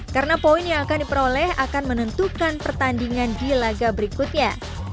karena poin yang akan diperoleh akan menentukan pertandingan di laga berikutnya